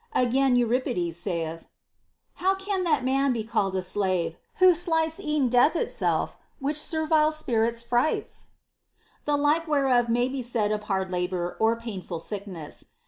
Again, Euripides saith, How can that man be called a slave, who slights Ev'n death itself, which servile spirits frights ? the like whereof may be said of hard labor or painful sickness.